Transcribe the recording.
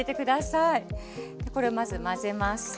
これまず混ぜます。